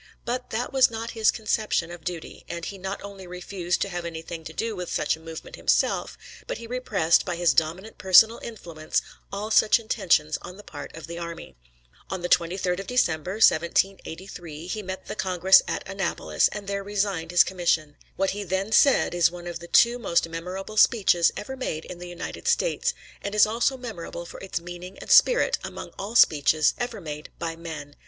But that was not his conception of duty, and he not only refused to have anything to do with such a movement himself, but he repressed, by his dominant personal influence, all such intentions on the part of the army. On the 23d of December, 1783, he met the Congress at Annapolis, and there resigned his commission. What he then said is one of the two most memorable speeches ever made in the United States, and is also memorable for its meaning and spirit among all speeches ever made by men.